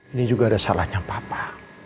ini juga ada salahnya papa